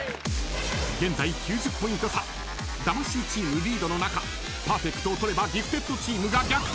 ［現在９０ポイント差魂チームリードの中パーフェクトを取ればギフテッドチームが逆転］